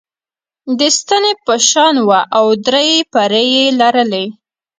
د ستنې په شان وه او درې پرې یي لرلې.